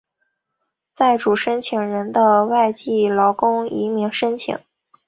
在主申请人的外籍劳工移民申请。